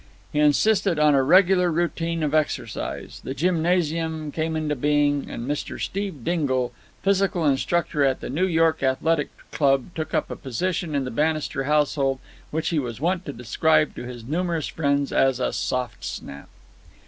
He insisted on a regular routine of exercise. The gymnasium came into being, and Mr. Steve Dingle, physical instructor at the New York Athletic Club, took up a position in the Bannister household which he was wont to describe to his numerous friends as a soft snap.